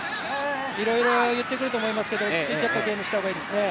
いろいろ言ってくると思いますけど、落ちついてゲームした方がいいと思いますね。